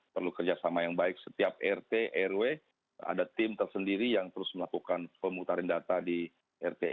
perlu kerjasama yang baik setiap